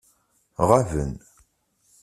Ɣaben.